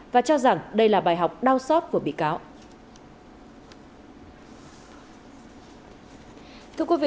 và cho rằng đây là bài học đau sót của bị cáo